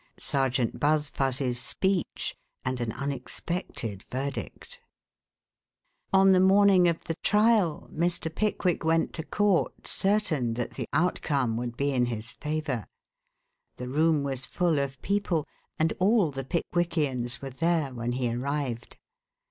SERGEANT BUZFUZ'S SPEECH AND AN UNEXPECTED VERDICT On the morning of the trial Mr. Pickwick went to court certain that the outcome would be in his favor. The room was full of people, and all the Pickwickians were there when he arrived.